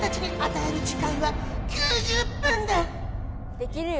できるよ！